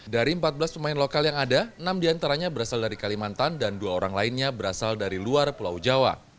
dari empat belas pemain lokal yang ada enam diantaranya berasal dari kalimantan dan dua orang lainnya berasal dari luar pulau jawa